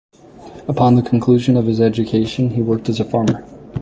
Upon the conclusion of his education, he worked as a farmer.